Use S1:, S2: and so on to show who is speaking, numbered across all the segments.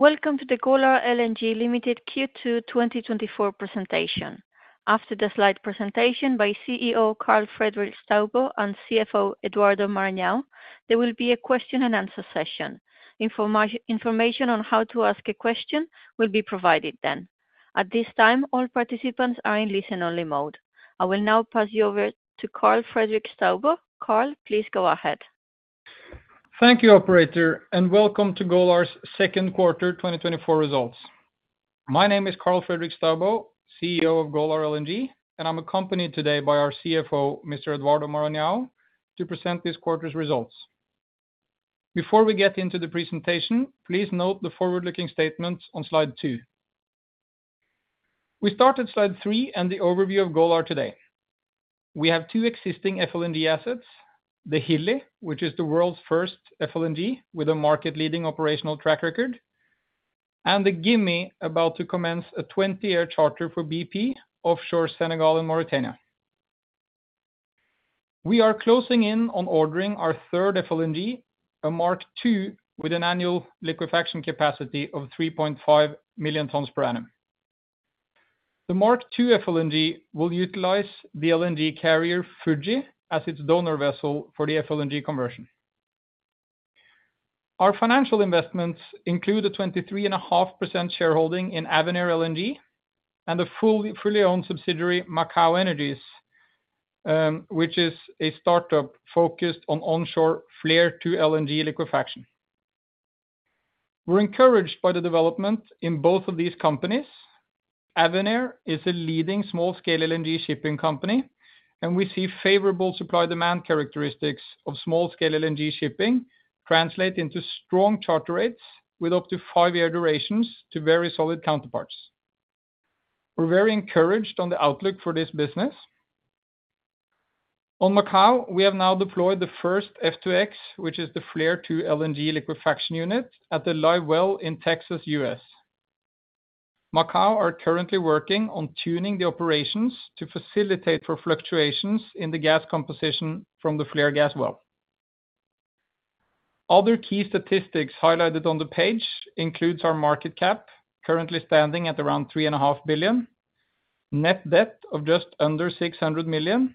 S1: Welcome to the Golar LNG Limited Q2 2024 presentation. After the slide presentation by CEO Karl Fredrik Staubo and CFO Eduardo Maranhão, there will be a question and answer session. Information on how to ask a question will be provided then. At this time, all participants are in listen-only mode. I will now pass you over to Karl Fredrik Staubo. Carl, please go ahead.
S2: Thank you, operator, and welcome to Golar's second quarter 2024 results. My name is Carl Fredrik Staubo, CEO of Golar LNG, and I'm accompanied today by our CFO, Mr. Eduardo Marinho, to present this quarter's results. Before we get into the presentation, please note the forward-looking statements on slide 2. We start at slide 3 and the overview of Golar today. We have two existing FLNG assets, the Hilli, which is the world's first FLNG, with a market-leading operational track record, and the Gimi, about to commence a 20-year charter for BP, offshore Senegal and Mauritania. We are closing in on ordering our third FLNG, a Mark II, with an annual liquefaction capacity of 3.5 million tons per annum. The Mark II FLNG will utilize the LNG carrier Fuji as its donor vessel for the FLNG conversion. Our financial investments include a 23.5% shareholding in Avenir LNG and a fully owned subsidiary, Macaw Energies, which is a startup focused on onshore flare-to-LNG liquefaction. We're encouraged by the development in both of these companies. Avenir is a leading small-scale LNG shipping company, and we see favorable supply-demand characteristics of small-scale LNG shipping translate into strong charter rates with up to 5-year durations to very solid counterparts. We're very encouraged on the outlook for this business. On Macaw, we have now deployed the first F2X, which is the flare-to-LNG liquefaction unit at the live well in Texas, US. Macaw are currently working on tuning the operations to facilitate for fluctuations in the gas composition from the flare gas well. Other key statistics highlighted on the page include our market cap, currently standing at around $3.5 billion, net debt of just under $600 million,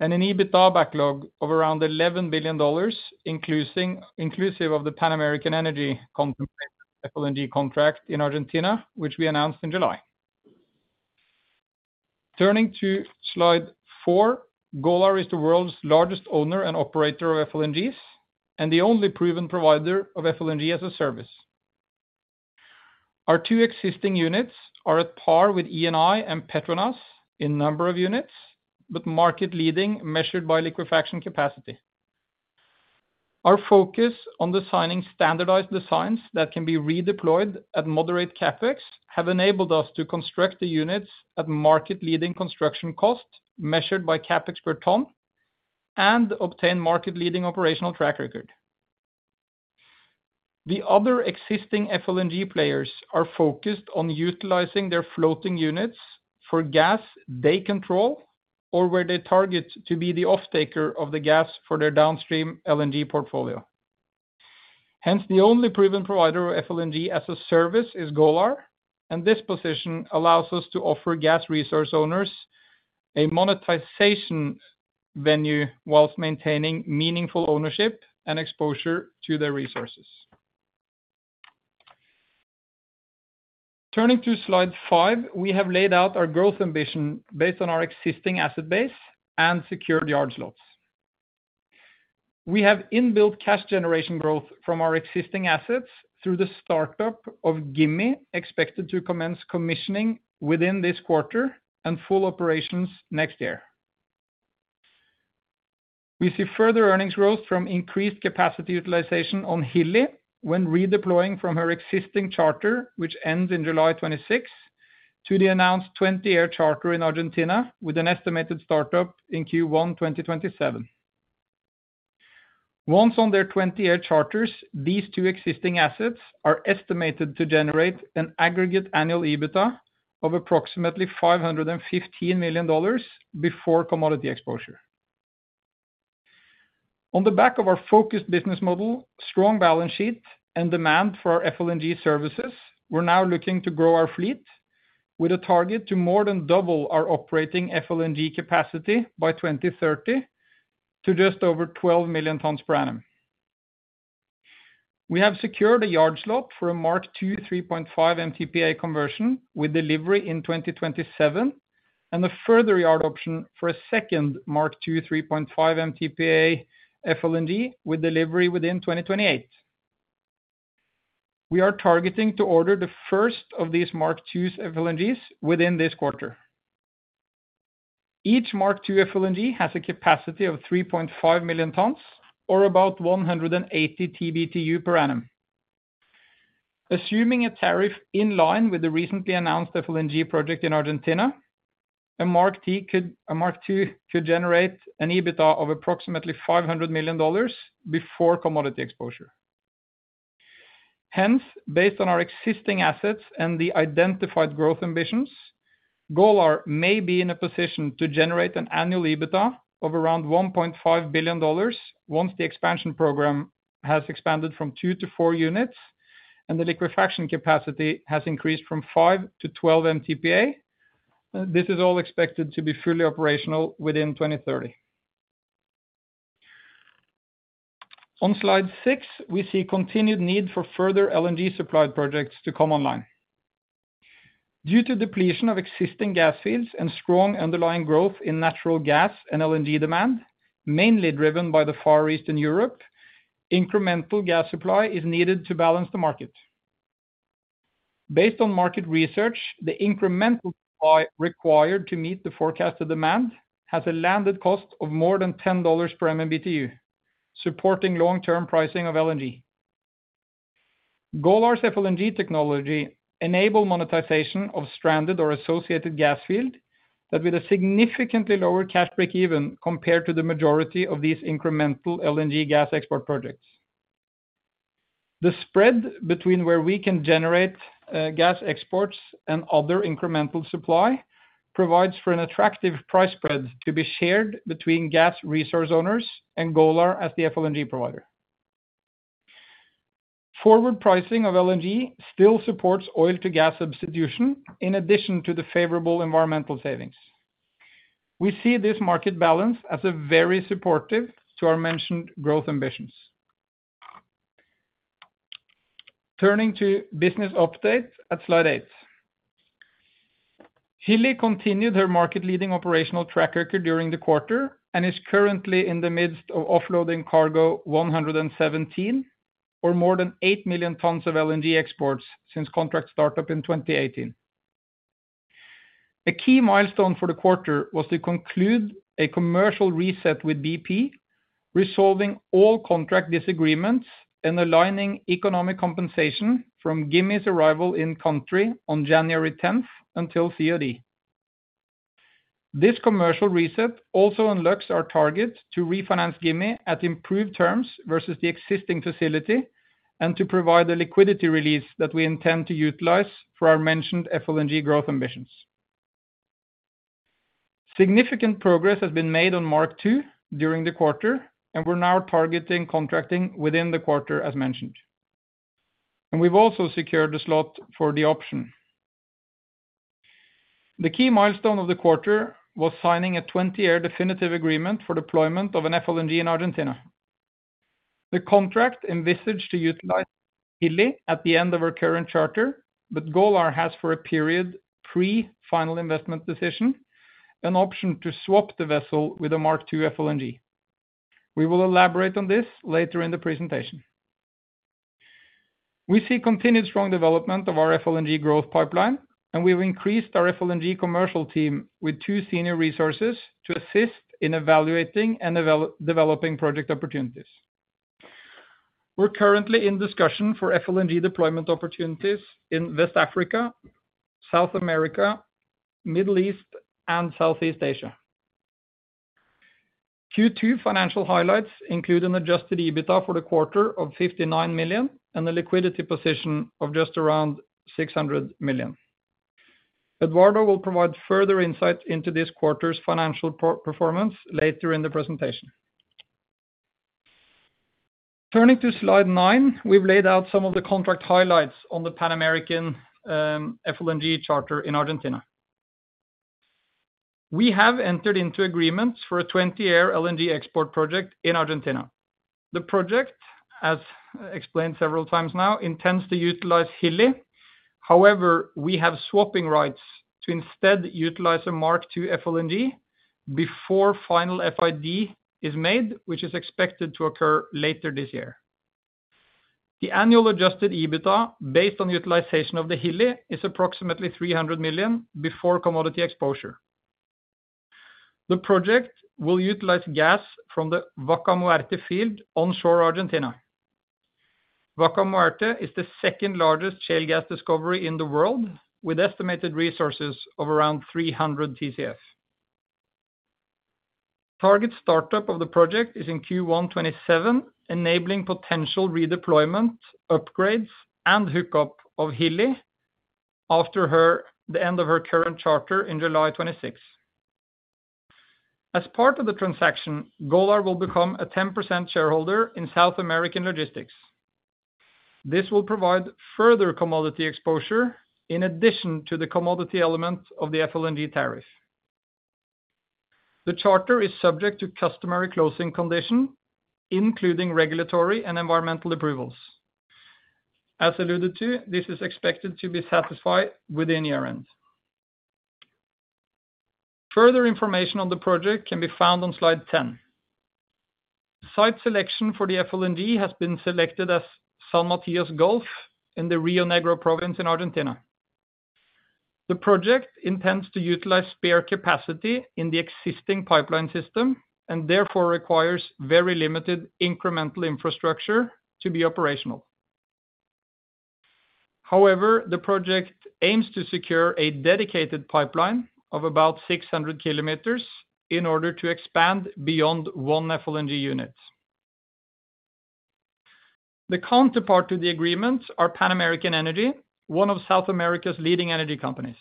S2: and an EBITDA backlog of around $11 billion, including, inclusive of the Pan American Energy FLNG contract in Argentina, which we announced in July. Turning to Slide 4, Golar is the world's largest owner and operator of FLNGs, and the only proven provider of FLNG as a service. Our two existing units are at par with Eni and Petronas in number of units, but market leading, measured by liquefaction capacity. Our focus on designing standardized designs that can be redeployed at moderate CapEx has enabled us to construct the units at market-leading construction cost, measured by CapEx per ton, and obtain market-leading operational track record. The other existing FLNG players are focused on utilizing their floating units for gas they control or where they target to be the off taker of the gas for their downstream LNG portfolio. Hence, the only proven provider of FLNG as a service is Golar, and this position allows us to offer gas resource owners a monetization venue while maintaining meaningful ownership and exposure to their resources. Turning to slide five, we have laid out our growth ambition based on our existing asset base and secured yard slots. We have inbuilt cash generation growth from our existing assets through the startup of Gimi, expected to commence commissioning within this quarter and full operations next year. We see further earnings growth from increased capacity utilization on Hilli when redeploying from her existing charter, which ends in July 2026, to the announced twenty-year charter in Argentina, with an estimated startup in Q1 2027. Once on their twenty-year charters, these two existing assets are estimated to generate an aggregate annual EBITDA of approximately $515 million before commodity exposure. On the back of our focused business model, strong balance sheet and demand for our FLNG services, we're now looking to grow our fleet with a target to more than double our operating FLNG capacity by 2030 to just over 12 million tons per annum. We have secured a yard slot for a Mark II, 3.5 MTPA conversion with delivery in 2027, and a further yard option for a second Mark II, 3.5 MTPA FLNG, with delivery within 2028. We are targeting to order the first of these Mark II FLNGs within this quarter. Each Mark II FLNG has a capacity of 3.5 million tons or about 180 TBtu per annum. Assuming a tariff in line with the recently announced FLNG project in Argentina, a Mark II could generate an EBITDA of approximately $500 million before commodity exposure. Hence, based on our existing assets and the identified growth ambitions, Golar may be in a position to generate an annual EBITDA of around $1.5 billion, once the expansion program has expanded from 2 to 4 units, and the liquefaction capacity has increased from 5 to 12 MTPA. This is all expected to be fully operational within 2030. On slide six, we see continued need for further LNG supply projects to come online. Due to depletion of existing gas fields and strong underlying growth in natural gas and LNG demand, mainly driven by the Far East and Europe, incremental gas supply is needed to balance the market. Based on market research, the incremental supply required to meet the forecasted demand has a landed cost of more than $10 per MMBtu, supporting long-term pricing of LNG. Golar's FLNG technology enable monetization of stranded or associated gas field, but with a significantly lower cash break-even compared to the majority of these incremental LNG gas export projects. The spread between where we can generate, gas exports and other incremental supply provides for an attractive price spread to be shared between gas resource owners and Golar as the FLNG provider. Forward pricing of LNG still supports oil to gas substitution in addition to the favorable environmental savings. We see this market balance as a very supportive to our mentioned growth ambitions. Turning to business updates at slide 8. Hilli continued her market-leading operational track record during the quarter, and is currently in the midst of offloading cargo 117, or more than 8 million tons of LNG exports since contract startup in 2018. A key milestone for the quarter was to conclude a commercial reset with BP, resolving all contract disagreements and aligning economic compensation from Gimi's arrival in country on January 10 until COD. This commercial reset also unlocks our target to refinance Gimi at improved terms versus the existing facility, and to provide a liquidity release that we intend to utilize for our mentioned FLNG growth ambitions. Significant progress has been made on Mark II during the quarter, and we're now targeting contracting within the quarter, as mentioned. We've also secured a slot for the option. The key milestone of the quarter was signing a 20-year definitive agreement for deployment of an FLNG in Argentina. The contract envisaged to utilize Hilli at the end of her current charter, but Golar has, for a period, pre-final investment decision, an option to swap the vessel with a Mark II FLNG. We will elaborate on this later in the presentation. We see continued strong development of our FLNG growth pipeline, and we've increased our FLNG commercial team with two senior resources to assist in evaluating and developing project opportunities. We're currently in discussion for FLNG deployment opportunities in West Africa, South America, Middle East, and Southeast Asia. Q2 financial highlights include an adjusted EBITDA for the quarter of $59 million and a liquidity position of just around $600 million. Eduardo will provide further insight into this quarter's financial performance later in the presentation. Turning to slide 9, we've laid out some of the contract highlights on the Pan American, FLNG charter in Argentina. We have entered into agreements for a 20-year LNG export project in Argentina. The project, as explained several times now, intends to utilize Hilli. However, we have swapping rights to instead utilize a Mark II FLNG before final FID is made, which is expected to occur later this year. The annual adjusted EBITDA, based on utilization of the Hilli, is approximately $300 million before commodity exposure. The project will utilize gas from the Vaca Muerta field onshore Argentina. Vaca Muerta is the second-largest shale gas discovery in the world, with estimated resources of around 300 TCF. Target startup of the project is in Q1 2027, enabling potential redeployment, upgrades, and hookup of Hilli after the end of her current charter in July 2026. As part of the transaction, Golar will become a 10% shareholder in South American Logistics. This will provide further commodity exposure in addition to the commodity element of the FLNG tariff. The charter is subject to customary closing condition, including regulatory and environmental approvals. As alluded to, this is expected to be satisfied within year-end. Further information on the project can be found on slide 10. Site selection for the FLNG has been selected as San Matias Gulf in the Rio Negro province in Argentina. The project intends to utilize spare capacity in the existing pipeline system, and therefore requires very limited incremental infrastructure to be operational. However, the project aims to secure a dedicated pipeline of about 600 kilometers in order to expand beyond one FLNG unit. The counterpart to the agreements are Pan American Energy, one of South America's leading energy companies.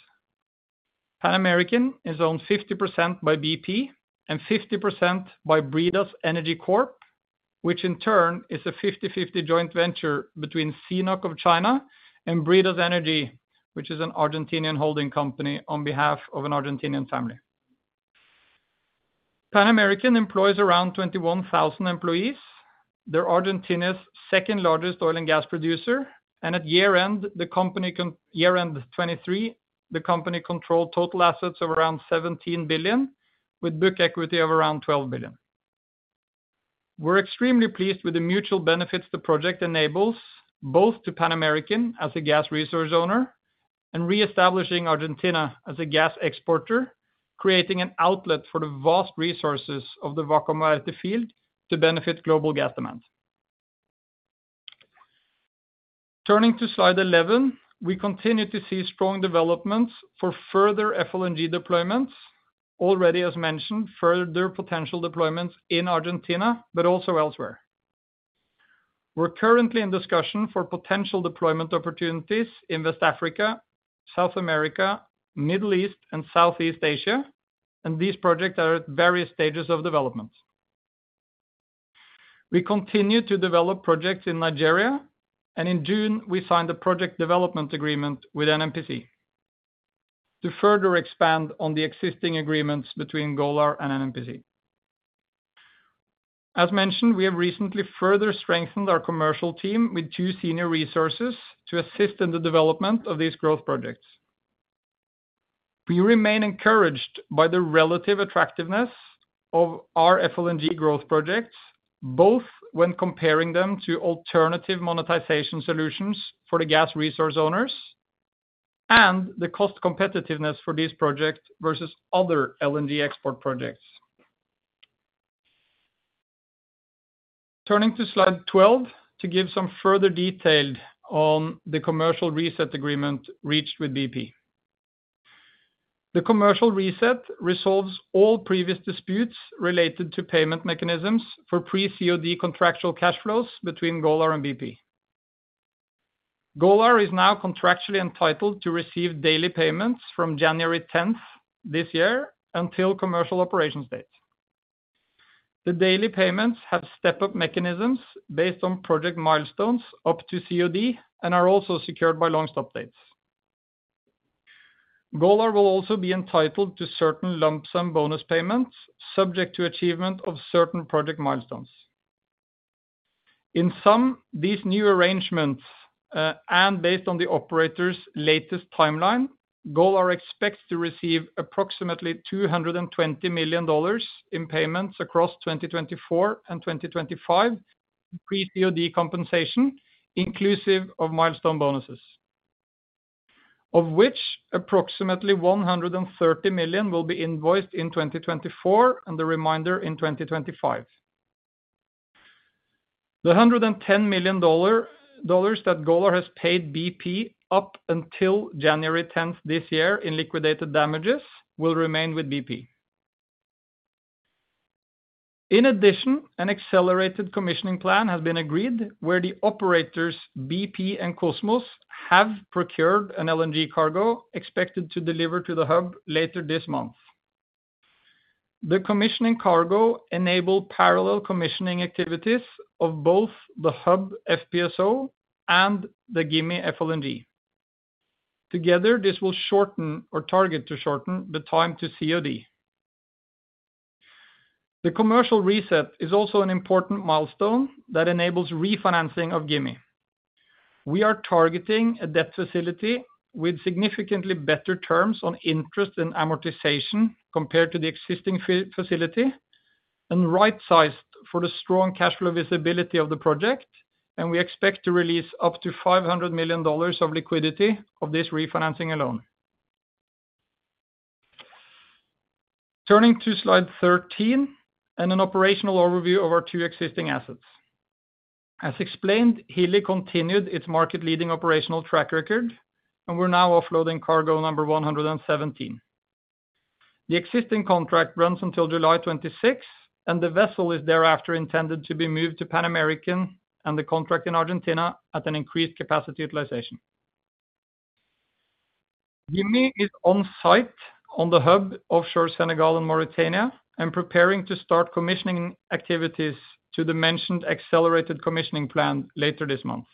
S2: Pan American is owned 50% by BP and 50% by Bridas Energy Corp, which in turn is a 50/50 joint venture between CNOOC of China and Bridas Energy, which is an Argentinian holding company on behalf of an Argentinian family. Pan American employs around 21,000 employees. They're Argentina's second-largest oil and gas producer, and at year-end 2023, the company controlled total assets of around $17 billion, with book equity of around $12 billion. We're extremely pleased with the mutual benefits the project enables, both to Pan American as a gas resource owner and reestablishing Argentina as a gas exporter, creating an outlet for the vast resources of the Vaca Muerta field to benefit global gas demand. Turning to slide 11, we continue to see strong developments for further FLNG deployments. Already, as mentioned, further potential deployments in Argentina, but also elsewhere. We're currently in discussion for potential deployment opportunities in West Africa, South America, Middle East, and Southeast Asia, and these projects are at various stages of development. We continue to develop projects in Nigeria, and in June, we signed a project development agreement with NNPC to further expand on the existing agreements between Golar and NNPC. As mentioned, we have recently further strengthened our commercial team with two senior resources to assist in the development of these growth projects. We remain encouraged by the relative attractiveness of our FLNG growth projects, both when comparing them to alternative monetization solutions for the gas resource owners and the cost competitiveness for these projects versus other LNG export projects. Turning to slide 12, to give some further detail on the commercial reset agreement reached with BP. The commercial reset resolves all previous disputes related to payment mechanisms for pre-COD contractual cash flows between Golar and BP. Golar is now contractually entitled to receive daily payments from January 10 this year until commercial operations date. The daily payments have step-up mechanisms based on project milestones up to COD and are also secured by long stop dates. Golar will also be entitled to certain lump sum bonus payments, subject to achievement of certain project milestones. In sum, these new arrangements, and based on the operator's latest timeline, Golar expects to receive approximately $220 million in payments across 2024 and 2025, pre-COD compensation, inclusive of milestone bonuses, of which approximately $130 million will be invoiced in 2024 and the remainder in 2025. The $110 million that Golar has paid BP up until January 10 this year in liquidated damages will remain with BP. In addition, an accelerated commissioning plan has been agreed, where the operators, BP and Kosmos, have procured an LNG cargo expected to deliver to the hub later this month. The commissioning cargo enable parallel commissioning activities of both the hub FPSO and the Gimi FLNG. Together, this will shorten or target to shorten the time to COD. The commercial reset is also an important milestone that enables refinancing of Gimi. We are targeting a debt facility with significantly better terms on interest and amortization compared to the existing facility, and right-sized for the strong cash flow visibility of the project, and we expect to release up to $500 million of liquidity of this refinancing alone. Turning to slide 13 and an operational overview of our two existing assets. As explained, Hilli continued its market-leading operational track record, and we're now offloading cargo number 117. The existing contract runs until July 2026, and the vessel is thereafter intended to be moved to Pan American and the contract in Argentina at an increased capacity utilization. Gimi is on-site on the hub offshore Senegal and Mauritania and preparing to start commissioning activities to the mentioned accelerated commissioning plan later this month.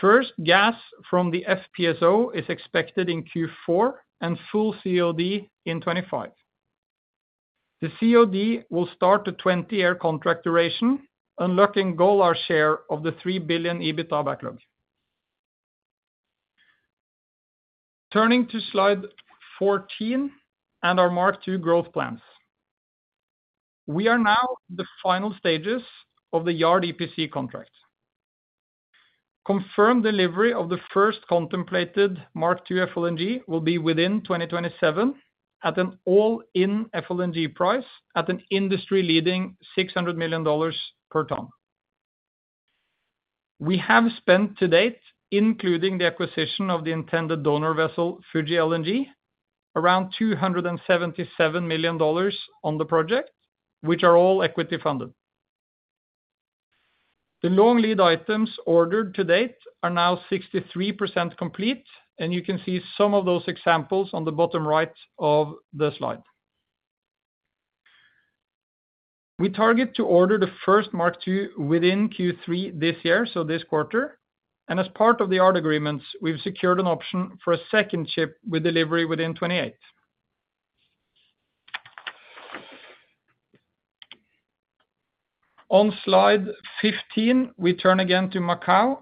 S2: First, gas from the FPSO is expected in Q4 and full COD in 2025. The COD will start a 20-year contract duration, unlocking Golar share of the $3 billion EBITDA backlog. Turning to slide 14 and our Mark II growth plans. We are now in the final stages of the yard EPC contract. Confirmed delivery of the first contemplated Mark II FLNG will be within 2027 at an all-in FLNG price at an industry-leading $600 million per ton. We have spent to date, including the acquisition of the intended donor vessel, Fuji LNG around $277 million on the project, which are all equity funded. The long lead items ordered to date are now 63% complete, and you can see some of those examples on the bottom right of the slide. We target to order the first Mark II within Q3 this year, so this quarter, and as part of the yard agreements, we've secured an option for a second ship with delivery within 2028. On slide 15, we turn again to Macaw.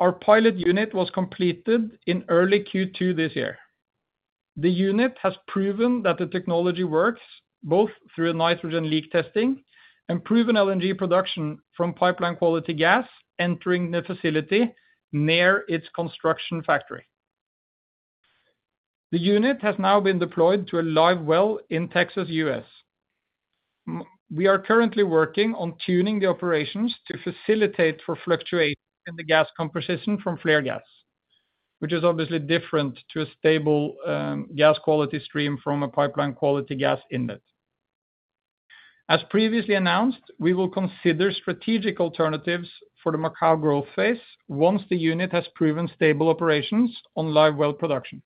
S2: Our pilot unit was completed in early Q2 this year. The unit has proven that the technology works, both through a nitrogen leak testing and proven LNG production from pipeline quality gas entering the facility near its construction factory. The unit has now been deployed to a live well in Texas, U.S. We are currently working on tuning the operations to facilitate for fluctuations in the gas composition from flare gas, which is obviously different to a stable, gas quality stream from a pipeline quality gas inlet. As previously announced, we will consider strategic alternatives for the Macaw growth phase once the unit has proven stable operations on live well production.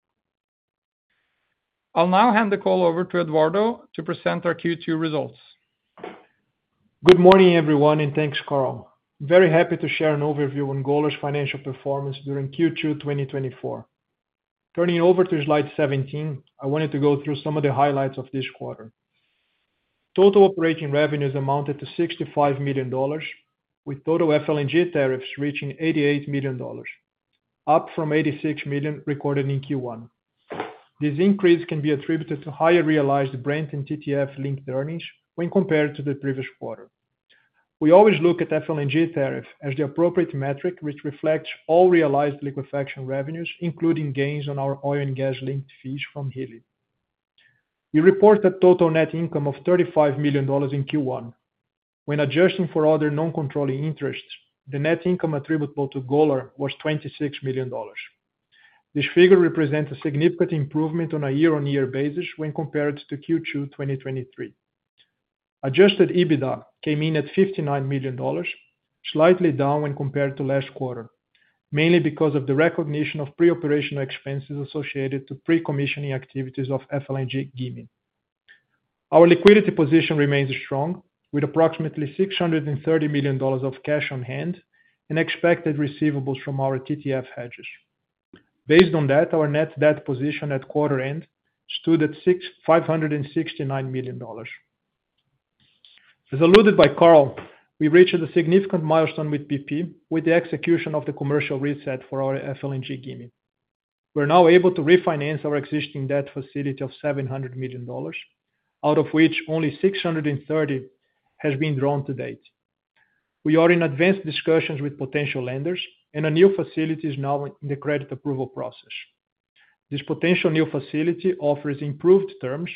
S2: I'll now hand the call over to Eduardo to present our Q2 results.
S3: Good morning, everyone, and thanks, Carl. I'm very happy to share an overview on Golar's financial performance during Q2 2024. Turning over to slide 17, I wanted to go through some of the highlights of this quarter. Total operating revenues amounted to $65 million, with total FLNG tariffs reaching $88 million, up from $86 million recorded in Q1. This increase can be attributed to higher realized Brent and TTF linked earnings when compared to the previous quarter. We always look at FLNG tariff as the appropriate metric, which reflects all realized liquefaction revenues, including gains on our oil and gas-linked fees from Hilli. We reported total net income of $35 million in Q1. When adjusting for other non-controlling interests, the net income attributable to Golar was $26 million. This figure represents a significant improvement on a year-on-year basis when compared to Q2 2023. Adjusted EBITDA came in at $59 million, slightly down when compared to last quarter, mainly because of the recognition of pre-operational expenses associated to pre-commissioning activities of FLNG Gimi. Our liquidity position remains strong, with approximately $630 million of cash on hand and expected receivables from our TTF hedges. Based on that, our net debt position at quarter end stood at $669 million. As alluded by Carl, we reached a significant milestone with BP, with the execution of the commercial reset for our FLNG Gimi. We're now able to refinance our existing debt facility of $700 million, out of which only $630 million has been drawn to date. We are in advanced discussions with potential lenders, and a new facility is now in the credit approval process. This potential new facility offers improved terms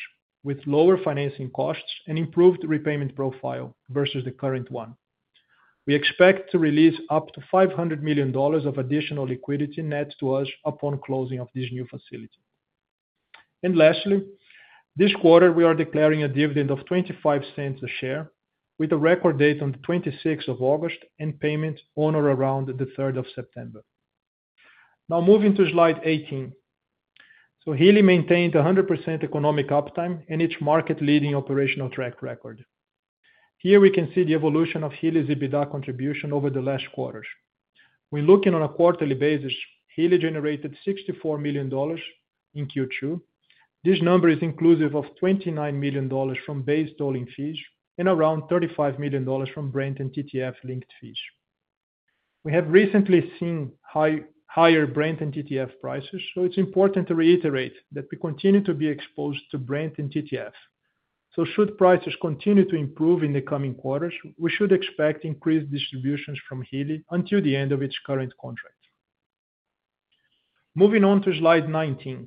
S3: with lower financing costs and improved repayment profile versus the current one. We expect to release up to $500 million of additional liquidity net to us upon closing of this new facility. Lastly, this quarter, we are declaring a dividend of $0.25 per share, with a record date on the 26th of August and payment on or around the 3rd of September. Now moving to slide 18. Hilli maintained 100% economic uptime and its market-leading operational track record. Here we can see the evolution of Hilli's EBITDA contribution over the last quarters. When looking on a quarterly basis, Hilli generated $64 million in Q2. This number is inclusive of $29 million from base tolling fees and around $35 million from Brent and TTF linked fees. We have recently seen higher Brent and TTF prices, so it's important to reiterate that we continue to be exposed to Brent and TTF. So should prices continue to improve in the coming quarters, we should expect increased distributions from Hilli until the end of its current contract. Moving on to slide 19.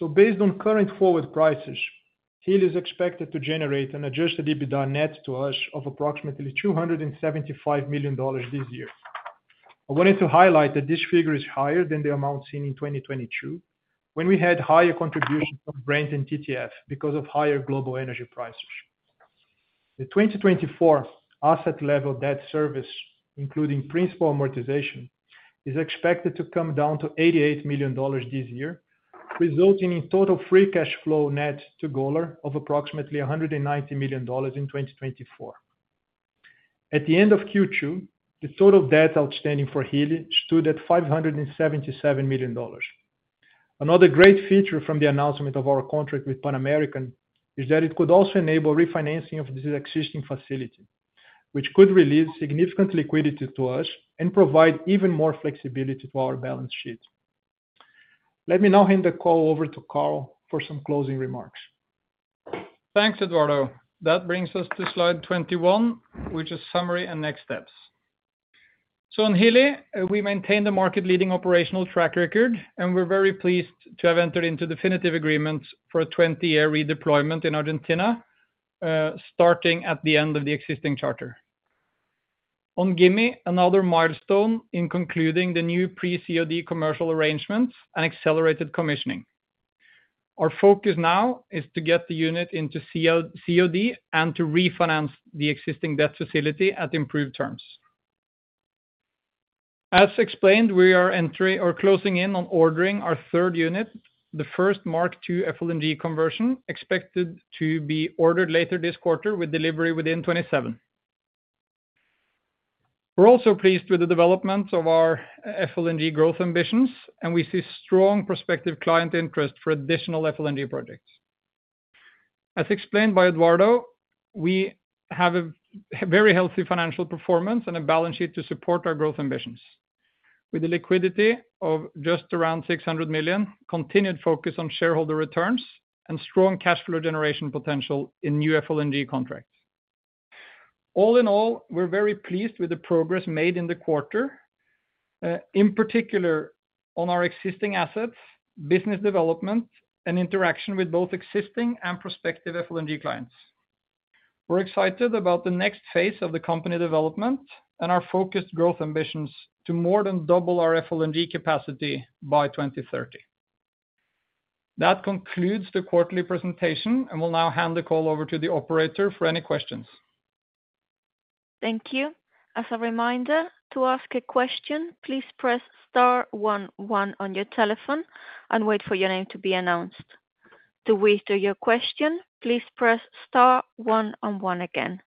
S3: So based on current forward prices, Hilli is expected to generate an adjusted EBITDA net to us of approximately $275 million this year. I wanted to highlight that this figure is higher than the amount seen in 2022, when we had higher contribution from Brent and TTF because of higher global energy prices. The 2024 asset level debt service, including principal amortization, is expected to come down to $88 million this year, resulting in total free cash flow net to Golar of approximately $190 million in 2024. At the end of Q2, the total debt outstanding for Hilli stood at $577 million. Another great feature from the announcement of our contract with Pan American is that it could also enable refinancing of this existing facility, which could release significant liquidity to us and provide even more flexibility to our balance sheet. Let me now hand the call over to Carl for some closing remarks.
S2: Thanks, Eduardo. That brings us to slide 21, which is summary and next steps. So on Hilli, we maintain the market-leading operational track record, and we're very pleased to have entered into definitive agreements for a 20-year redeployment in Argentina, starting at the end of the existing charter. On Gimi, another milestone in concluding the new pre-COD commercial arrangements and accelerated commissioning. Our focus now is to get the unit into COD and to refinance the existing debt facility at improved terms. As explained, we are entering or closing in on ordering our third unit, the first Mark II FLNG conversion, expected to be ordered later this quarter with delivery within 2027. We're also pleased with the development of our FLNG growth ambitions, and we see strong prospective client interest for additional FLNG projects. As explained by Eduardo, we have a very healthy financial performance and a balance sheet to support our growth ambitions. With the liquidity of just around $600 million, continued focus on shareholder returns and strong cash flow generation potential in new FLNG contracts. All in all, we're very pleased with the progress made in the quarter, in particular on our existing assets, business development, and interaction with both existing and prospective FLNG clients. We're excited about the next phase of the company development and our focused growth ambitions to more than double our FLNG capacity by 2030. That concludes the quarterly presentation, and we'll now hand the call over to the operator for any questions.
S1: Thank you. As a reminder, to ask a question, please press star one one on your telephone and wait for your name to be announced. To withdraw your question, please press star one and one again.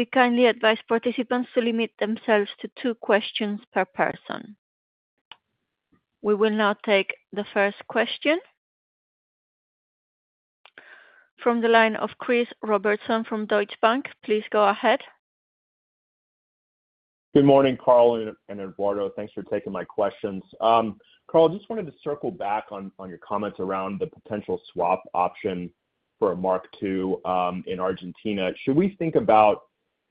S1: We kindly advise participants to limit themselves to two questions per person. We will now take the first question. From the line of Chris Robertson from Deutsche Bank, please go ahead.
S4: Good morning, Carl and Eduardo. Thanks for taking my questions. Carl, just wanted to circle back on your comments around the potential swap option for a Mark II in Argentina. Should we think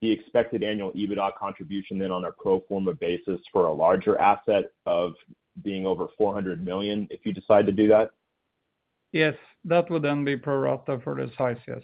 S4: about the expected annual EBITDA contribution then on a pro forma basis for a larger asset of being over $400 million, if you decide to do that?
S2: Yes, that would then be pro rata for the size, yes.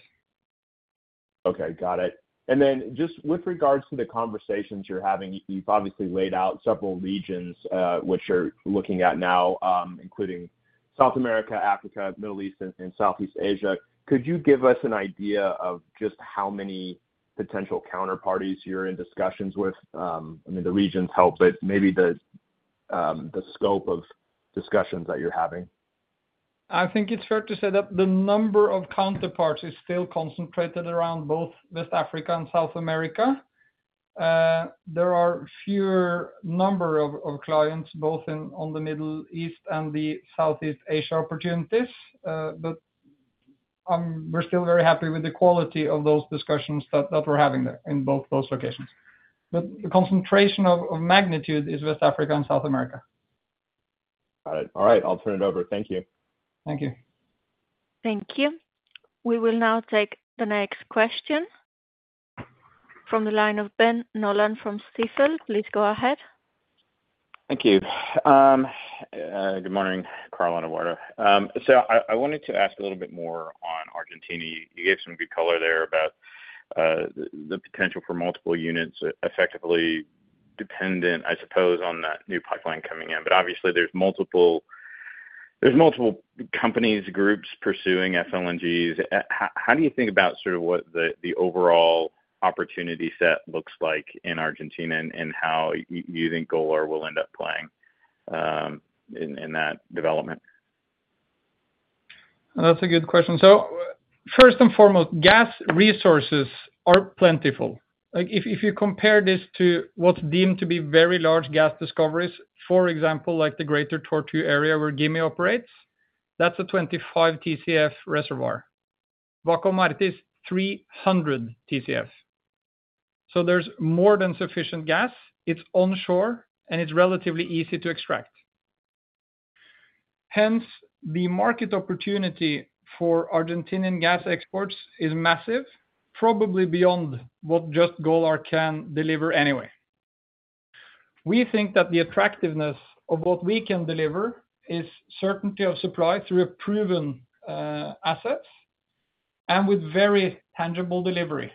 S4: Okay, got it. And then just with regards to the conversations you're having, you've obviously laid out several regions which you're looking at now, including South America, Africa, Middle East, and Southeast Asia. Could you give us an idea of just how many potential counterparties you're in discussions with? I mean, the regions help, but maybe the scope of discussions that you're having.
S2: I think it's fair to say that the number of counterparts is still concentrated around both West Africa and South America. There are fewer number of clients, both in, on the Middle East and the Southeast Asia opportunities, but we're still very happy with the quality of those discussions that we're having there in both those locations. But the concentration of magnitude is West Africa and South America.
S4: Got it. All right, I'll turn it over. Thank you.
S2: Thank you.
S1: Thank you. We will now take the next question from the line of Ben Nolan from Stifel. Please go ahead.
S5: Thank you. Good morning, Carl and Eduardo. So I wanted to ask a little bit more on Argentina. You gave some good color there about the potential for multiple units, effectively dependent, I suppose, on that new pipeline coming in. But obviously, there's multiple companies, groups pursuing FLNGs. How do you think about sort of what the overall opportunity set looks like in Argentina, and how you think Golar will end up playing in that development?
S2: That's a good question. So first and foremost, gas resources are plentiful. Like, if you compare this to what's deemed to be very large gas discoveries, for example, like the Greater Tortue area where Gimi operates, that's a 25 TCF reservoir. Vaca Muerta is 300 TCF. So there's more than sufficient gas, it's onshore, and it's relatively easy to extract. Hence, the market opportunity for Argentinian gas exports is massive, probably beyond what just Golar can deliver anyway. We think that the attractiveness of what we can deliver is certainty of supply through a proven asset and with very tangible delivery.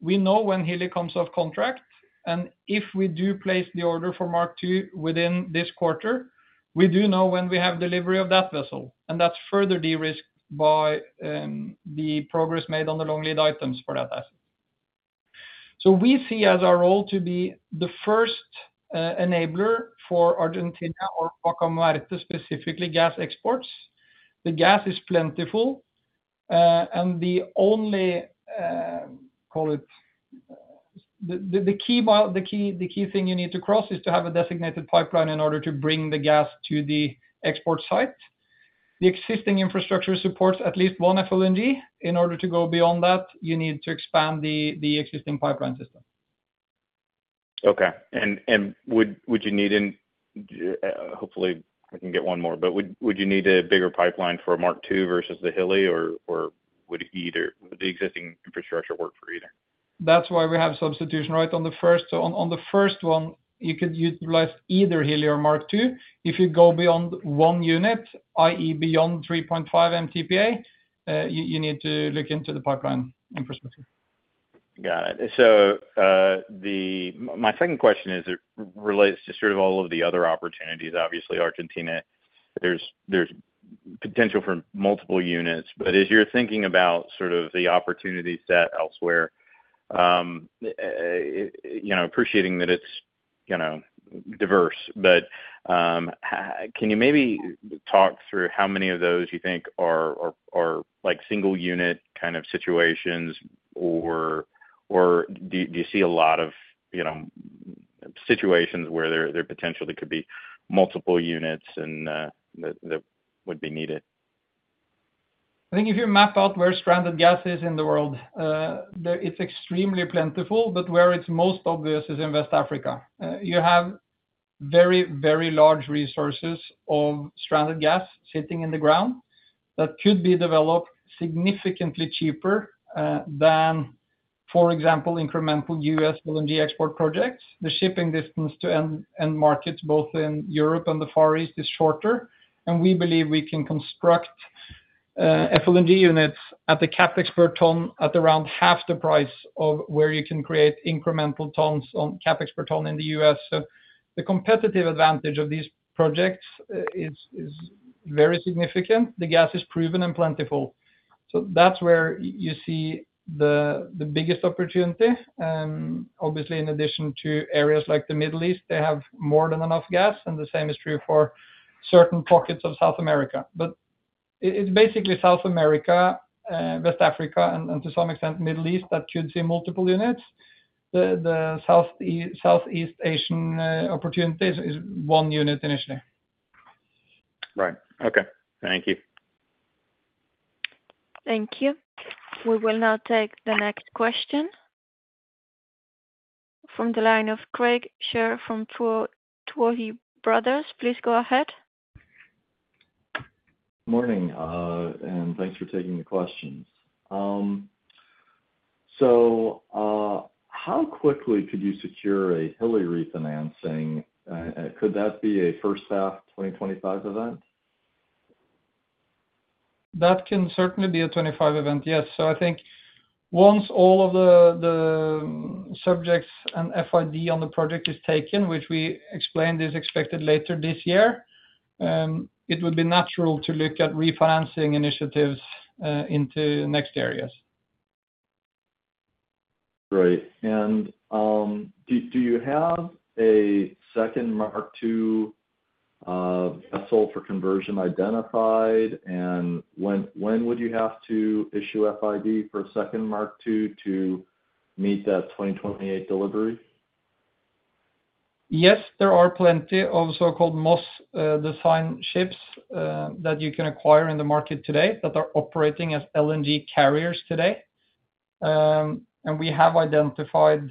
S2: We know when Hilli comes off contract, and if we do place the order for Mark II within this quarter, we do know when we have delivery of that vessel, and that's further de-risked by the progress made on the long lead items for that asset. So we see as our role to be the first enabler for Argentina or Vaca Muerta, specifically, gas exports. The gas is plentiful, and the only, call it, the key thing you need to cross is to have a designated pipeline in order to bring the gas to the export site. The existing infrastructure supports at least one FLNG. In order to go beyond that, you need to expand the existing pipeline system.
S5: Okay. And would you need a bigger pipeline for a Mark II versus the Hilli, or would the existing infrastructure work for either? Hopefully, I can get one more.
S2: That's why we have substitution, right? On the first one, you could utilize either Hilli or Mark II. If you go beyond one unit, i.e., beyond 3.5 MTPA, you need to look into the pipeline in perspective....
S5: Got it. So, my second question is, it relates to sort of all of the other opportunities. Obviously, Argentina, there's potential for multiple units, but as you're thinking about sort of the opportunity set elsewhere, you know, appreciating that it's, you know, diverse. But, can you maybe talk through how many of those you think are like single unit kind of situations, or do you see a lot of, you know, situations where there potentially could be multiple units and that would be needed?
S2: I think if you map out where stranded gas is in the world, it's extremely plentiful, but where it's most obvious is in West Africa. You have very, very large resources of stranded gas sitting in the ground that could be developed significantly cheaper than, for example, incremental U.S. LNG export projects. The shipping distance to end markets, both in Europe and the Far East, is shorter, and we believe we can construct FLNG units at the CapEx per ton at around half the price of where you can create incremental tons on CapEx per ton in the U.S. So the competitive advantage of these projects is very significant. The gas is proven and plentiful. So that's where you see the biggest opportunity. Obviously, in addition to areas like the Middle East, they have more than enough gas, and the same is true for certain pockets of South America. But it's basically South America, West Africa, and to some extent, Middle East that could see multiple units. The Southeast Asian opportunities is one unit initially.
S5: Right. Okay. Thank you.
S1: Thank you. We will now take the next question. From the line of Craig Shere from Tuohy Brothers, please go ahead.
S6: Morning, and thanks for taking the questions. So, how quickly could you secure a Hilli refinancing? Could that be a first half 2025 event?
S2: That can certainly be a 25 event. Yes. So I think once all of the subjects and FID on the project is taken, which we explained, is expected later this year, it would be natural to look at refinancing initiatives into next areas.
S6: Right. And, do you have a second Mark II vessel for conversion identified? And when would you have to issue FID for a second Mark II to meet that 2028 delivery?
S2: Yes, there are plenty of so-called Moss design ships that you can acquire in the market today, that are operating as LNG carriers today. We have identified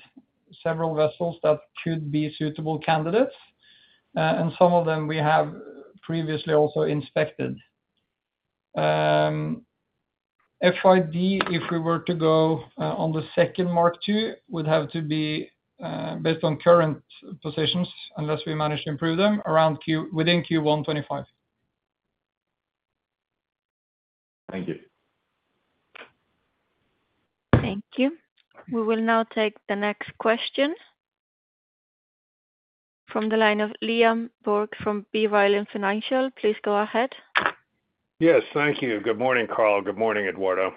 S2: several vessels that could be suitable candidates, and some of them we have previously also inspected. FID, if we were to go on the second Mark II, would have to be based on current positions, unless we manage to improve them, around Q1 within Q1 2025.
S6: Thank you.
S1: Thank you. We will now take the next question. From the line of Liam Burke from B. Riley Financial, please go ahead.
S7: Yes, thank you. Good morning, Carl. Good morning, Eduardo.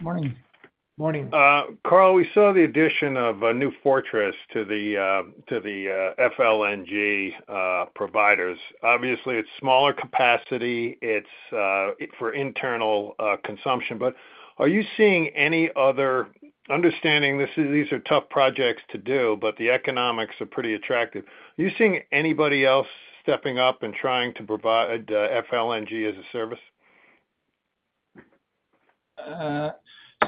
S3: Morning. Morning.
S7: Carl, we saw the addition of a New Fortress to the FLNG providers. Obviously, it's smaller capacity. It's for internal consumption, but are you seeing any other, understanding this is, these are tough projects to do, but the economics are pretty attractive. Are you seeing anybody else stepping up and trying to provide FLNG as a service?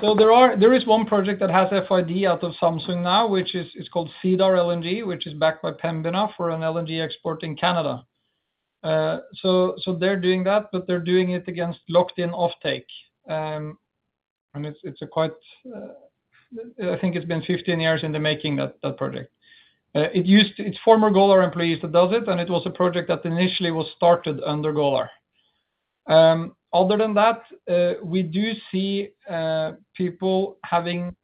S2: So there is one project that has FID out of Samsung now, which is, it's called Cedar LNG, which is backed by Pembina for an LNG export in Canada. So they're doing that, but they're doing it against locked-in offtake. And it's a quite... I think it's been 15 years in the making, that project. It's former Golar employees that does it, and it was a project that initially was started under Golar. Other than that, we do see people having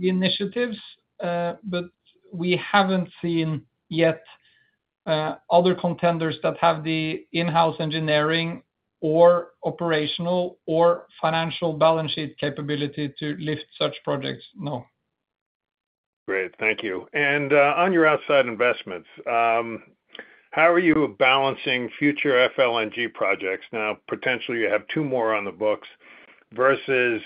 S2: initiatives, but we haven't seen yet other contenders that have the in-house engineering or operational or financial balance sheet capability to lift such projects, no.
S7: Great. Thank you. And, on your outside investments, how are you balancing future FLNG projects? Now, potentially, you have two more on the books versus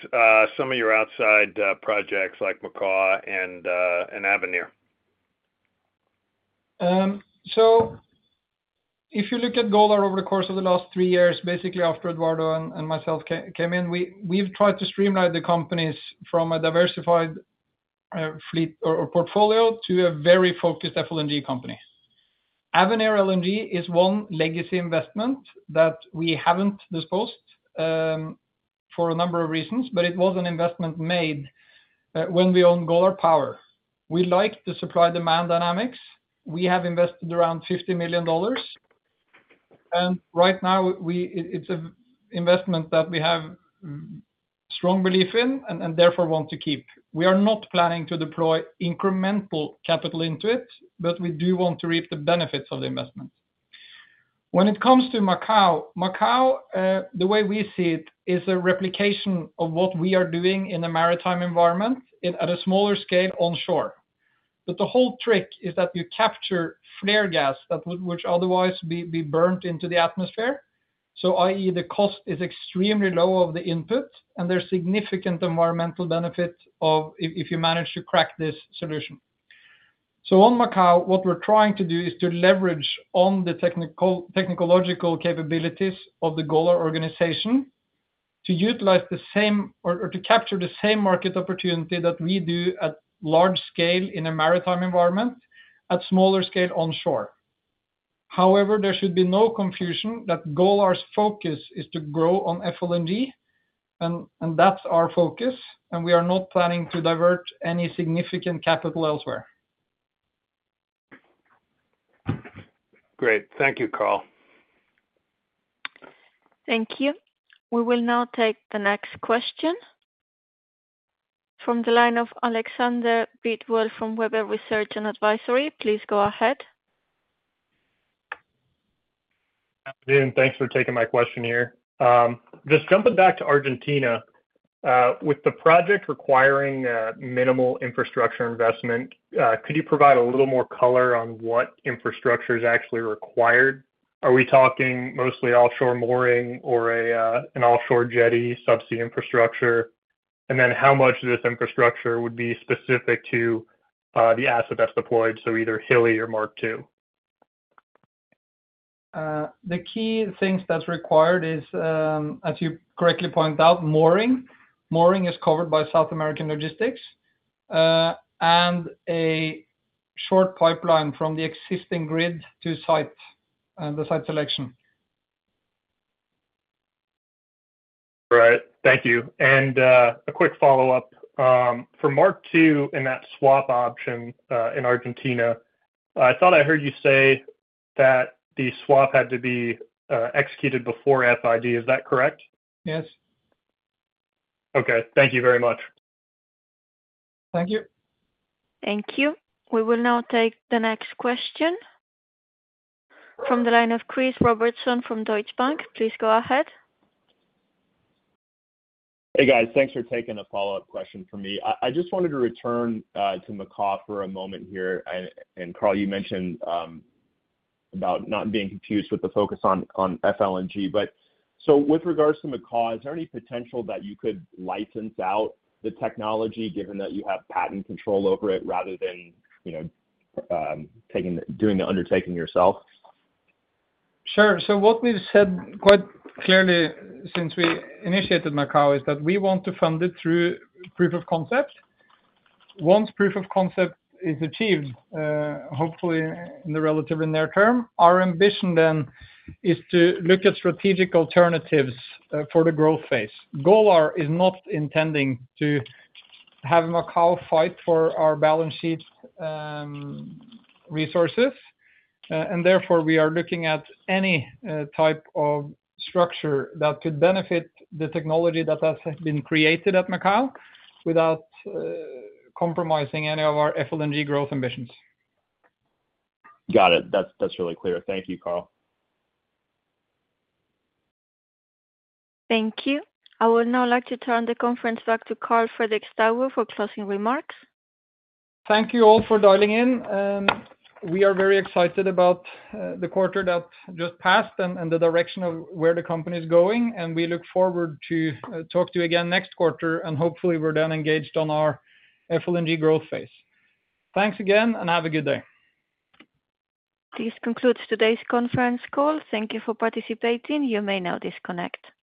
S7: some of your outside projects like Macaw and Avenir.
S2: So if you look at Golar over the course of the last three years, basically after Eduardo and myself came in, we've tried to streamline the companies from a diversified fleet or portfolio to a very focused FLNG company. Avenir LNG is one legacy investment that we haven't disposed for a number of reasons, but it was an investment made when we owned Golar Power. We like the supply-demand dynamics. We have invested around $50 million. Right now, it, it's an investment that we have strong belief in, and therefore want to keep. We are not planning to deploy incremental capital into it, but we do want to reap the benefits of the investment. When it comes to Macaw, Macaw, the way we see it, is a replication of what we are doing in a maritime environment, in at a smaller scale onshore. But the whole trick is that you capture flare gas that would, which otherwise be burnt into the atmosphere. So i.e., the cost is extremely low of the input, and there's significant environmental benefit of if, if you manage to crack this solution. So on Macaw, what we're trying to do is to leverage on the technological capabilities of the Golar organization, to utilize the same or to capture the same market opportunity that we do at large scale in a maritime environment, at smaller scale onshore. However, there should be no confusion that Golar's focus is to grow on FLNG, and that's our focus, and we are not planning to divert any significant capital elsewhere.
S7: Great. Thank you, Carl.
S1: Thank you. We will now take the next question. From the line of Alexander Bidwell from Webber Research & Advisory. Please go ahead.
S8: Good afternoon, thanks for taking my question here. Just jumping back to Argentina, with the project requiring minimal infrastructure investment, could you provide a little more color on what infrastructure is actually required? Are we talking mostly offshore mooring or an offshore jetty, subsea infrastructure? And then how much of this infrastructure would be specific to the asset that's deployed, so either Hilli or Mark II?
S2: The key things that's required is, as you correctly pointed out, mooring. Mooring is covered by South American Logistics, and a short pipeline from the existing grid to site, and the site selection.
S8: Right. Thank you. A quick follow-up. For Mark II, in that swap option, in Argentina, I thought I heard you say that the swap had to be executed before FID. Is that correct?
S2: Yes.
S8: Okay. Thank you very much.
S2: Thank you.
S1: Thank you. We will now take the next question, from the line of Chris Robertson from Deutsche Bank. Please go ahead.
S4: Hey, guys. Thanks for taking a follow-up question from me. I just wanted to return to Macaw for a moment here. And, Karl, you mentioned about not being confused with the focus on FLNG. But so with regards to Macaw, is there any potential that you could license out the technology, given that you have patent control over it, rather than, you know, doing the undertaking yourself?
S2: Sure. So what we've said quite clearly since we initiated Macaw, is that we want to fund it through proof of concept. Once proof of concept is achieved, hopefully in the relatively near term, our ambition then is to look at strategic alternatives, for the growth phase. Golar is not intending to have Macaw fight for our balance sheet, resources. And therefore, we are looking at any, type of structure that could benefit the technology that has, has been created at Macaw, without, compromising any of our FLNG growth ambitions.
S4: Got it. That's, that's really clear. Thank you, Carl.
S1: Thank you. I would now like to turn the conference back to Karl Fredrik Staubo for closing remarks.
S2: Thank you all for dialing in, and we are very excited about the quarter that just passed and the direction of where the company is going. We look forward to talk to you again next quarter, and hopefully we're then engaged on our FLNG growth phase. Thanks again, and have a good day.
S1: This concludes today's conference call. Thank you for participating. You may now disconnect.